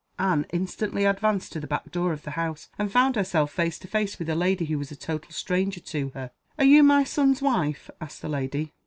Anne instantly advanced to the back door of the house and found herself face to face with a lady who was a total stranger to her. "Are you my son's wife?" asked the lady.